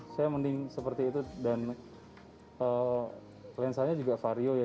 saya mending seperti itu dan lensanya juga vario ya